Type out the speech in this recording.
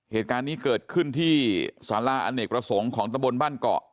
เหตุการณ์นี้เกิดขึ้นที่สาราอเนกประสงค์ของตะบนบ้านเกาะ